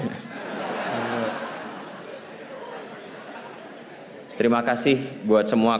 sekali lagi saya enggak di update soal ini